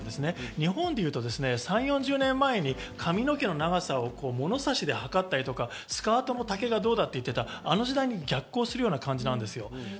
日本でいうと、３０４０年前に髪の毛の長さを物差しで測ったりとか、スカートの丈がどうだと言っていたあの時代に逆行するような感じ。